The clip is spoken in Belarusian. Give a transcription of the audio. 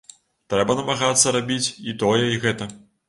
Трэба намагацца рабіць і тое, і гэта.